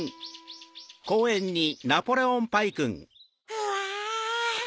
うわ！